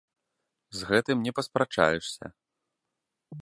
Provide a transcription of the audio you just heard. З гэтым не паспрачаешся.